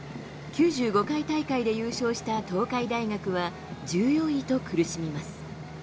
９５回大会で優勝した東海大学は、１４位と苦しみます。